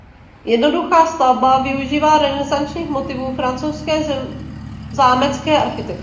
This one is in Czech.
Jednoduchá stavba využívá renesančních motivů francouzské zámecké architektury.